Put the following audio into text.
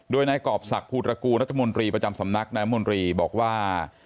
โดยนายกรอบศักดิภูตระกูลรัฐมนตรีประจำสำนักนายมนตรีบอกว่า